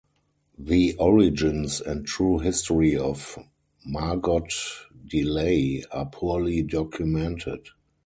The origins and true history of Margot Delaye are poorly documented.